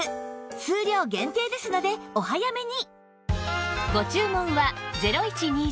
数量限定ですのでお早めに！